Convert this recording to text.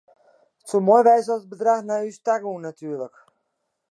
It soe moai wêze at it bedrach nei ús ta gong natuerlik.